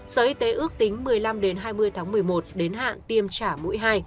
sở y tế ước tính một mươi năm hai mươi tháng một mươi một đến hạn tiêm trả mũi hai